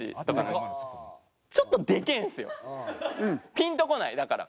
ピンとこないだから。